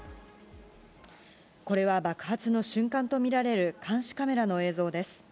これは爆発の瞬間と見られる監視カメラの映像です。